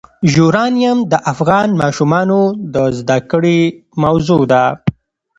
یورانیم د افغان ماشومانو د زده کړې موضوع ده.